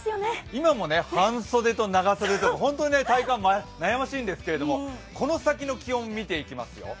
今も半袖と長袖と体感悩ましいんですけれども、この先の気温を見ていきますよ。